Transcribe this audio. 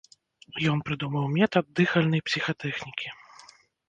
Ён прыдумаў метад дыхальнай псіхатэхнікі.